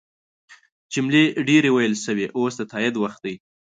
جملې ډیرې ویل شوي اوس د تایید وخت دی.